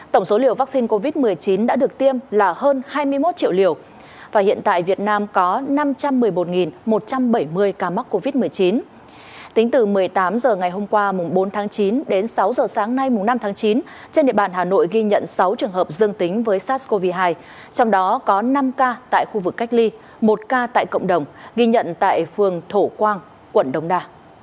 tính từ một mươi tám h ngày hôm qua bốn chín đến sáu h sáng nay năm chín trên địa bàn hà nội ghi nhận sáu trường hợp dương tính với sars cov hai trong đó có năm ca tại khu vực cách ly một ca tại cộng đồng ghi nhận tại phường thổ quang quận đồng đà